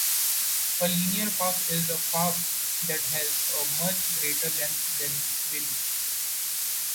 A linear park is a park that has a much greater length than width.